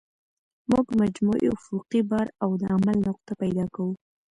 موږ مجموعي افقي بار او د عمل نقطه پیدا کوو